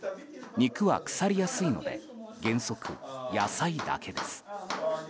肉は腐りやすいので原則、野菜だけです。